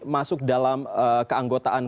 masuk dalam keanggotaan